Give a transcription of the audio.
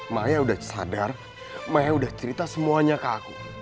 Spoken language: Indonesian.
ma saya udah sadar saya udah cerita semuanya ke aku